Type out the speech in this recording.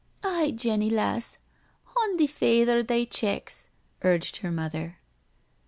" Aye, Jenny lass^ bond thi Fayther they checks," urged her mother.